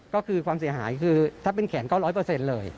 ก็คือความเสียหายคือถ้าเป็นแขนก็ร้อยเปอร์เซ็นต์เลย